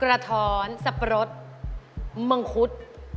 กระท้อนสับปะรดมังคุด